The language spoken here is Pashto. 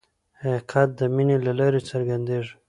حقیقت د مینې له لارې څرګندېږي.